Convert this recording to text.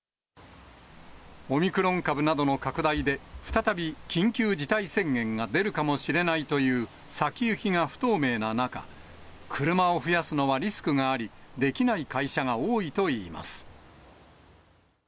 オミクロン株などの拡大で、再び緊急事態宣言が出るかもしれないという先行きが不透明な中、車を増やすのはリスクがあり、できない会社が多いといいます。